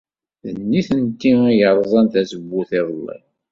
D nitenti ay yerẓan tazewwut iḍelli.